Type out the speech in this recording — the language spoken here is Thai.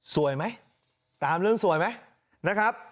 สวยไหมตามเรื่องสวยไหม